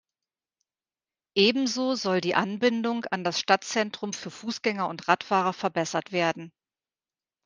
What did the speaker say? Ebenso soll die Anbindung an das Stadtzentrum für Fußgänger und Radfahrer verbessert werden.